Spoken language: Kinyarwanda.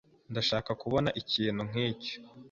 Ndashaka kubona ikintu nkicyo.